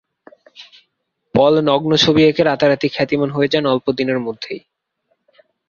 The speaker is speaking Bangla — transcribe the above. পল নগ্ন ছবি এঁকে রাতারাতি খ্যাতিমান হয়ে যান অল্প দিনের মধ্যেই।